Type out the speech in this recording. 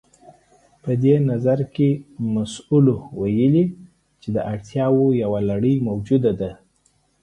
په دې نظريه کې مسلو ويلي چې د اړتياوو يوه لړۍ موجوده ده.